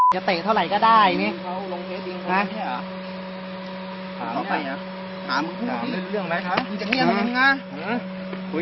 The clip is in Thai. จะเตะเท่าไหร่ก็ได้เนี้ย